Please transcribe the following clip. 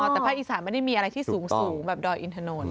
อ๋อถ้าภาคอีสานไม่ได้มีอะไรที่สูงแบบด่อยอีนทะโนลถูกต้อง